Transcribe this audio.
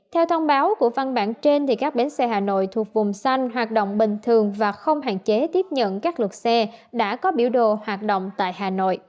theo thông báo của văn bản trên các bến xe hà nội thuộc vùng xanh hoạt động bình thường và không hạn chế tiếp nhận các lượt xe đã có biểu đồ hoạt động tại hà nội